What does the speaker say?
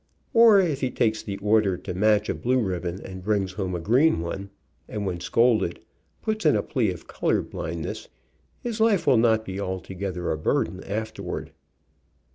Or if he takes the order to match a blue ribbon, and brings home a green one, and when scolded puts in a plea of color blindness, his life will not be altogether a burden afterward.